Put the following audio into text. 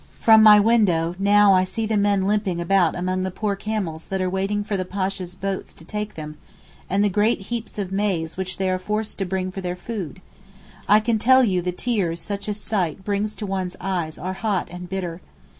From my window now I see the men limping about among the poor camels that are waiting for the Pasha's boats to take them, and the great heaps of maize which they are forced to bring for their food. I can tell you the tears such a sight brings to one's eyes are hot and bitter.